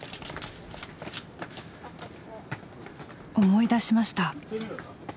思い出しました。